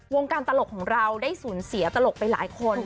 วงการตลกของเราได้สูญเสียตลกไปหลายคน